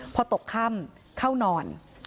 พอตกค่ำเข้านอน